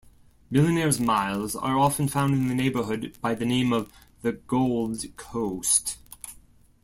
Millionaires' Miles are often found in neighborhoods by the name of the "Gold Coast".